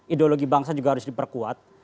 ideologi bangsa juga harus diperkuat